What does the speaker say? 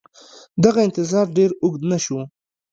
دغه انتظار ډېر اوږد نه شو.